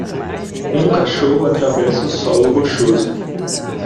Um cachorro atravessa o solo rochoso.